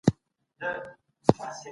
په ټولنه کي د اوسېدو هنر زده کړئ.